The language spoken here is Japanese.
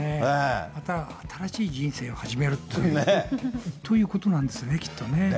また新しい人生を始めるっていうね、ということなんですね、きっとね。